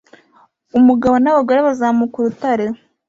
Umugabo n'abagore bazamuka urutare